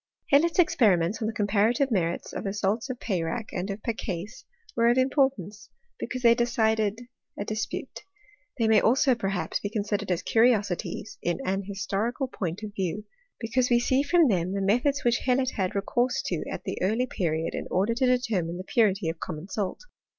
Hellot's experiments on the comparative merits of the salts of Peyrac, and of Pecais were of importance, because they decided a dispute — they may also per haps be considered as curiosities in an historical point of view ; because we see from them the methods which Hellot had recourse to at that early period in order to determine the purity of common salt.